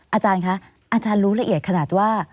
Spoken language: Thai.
อาจารย์คะอาจารย์รู้ละเอียดขนาดว่า